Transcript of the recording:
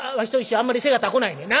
あんまり背が高ないねんな。